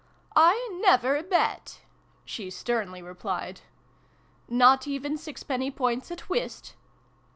"" I never bet," she sternly replied. " Not even sixpenny points at whist